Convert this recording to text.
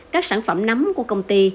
các sản phẩm nấm của công ty